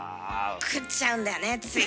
食っちゃうんだよねつい。